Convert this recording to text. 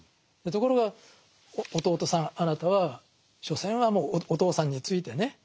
ところが弟さんあなたは所詮はもうお父さんについてね